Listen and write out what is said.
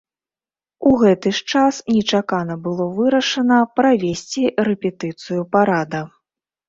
У гэты ж час нечакана было вырашана правесці рэпетыцыю парада.